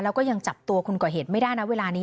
แล้วก็ยังจับตัวคนก่อเหตุไม่ได้นะเวลานี้